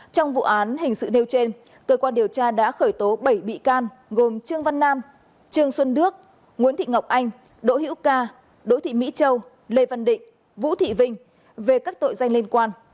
trong vụ án hình sự nêu trên cơ quan điều tra đã khởi tố bảy bị can gồm trương văn nam trương xuân đức nguyễn thị ngọc anh đỗ hữu ca đỗ thị mỹ châu lê văn định vũ thị vinh về các tội danh liên quan